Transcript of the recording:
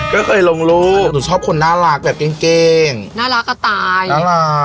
ใครจะมาทำถึงเท่าเรา